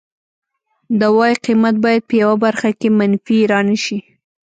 د وای قیمت باید په یوه برخه کې منفي را نشي